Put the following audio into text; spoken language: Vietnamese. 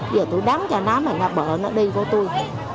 giờ tôi đắng cho nó mà nó bỡ nó đi của tôi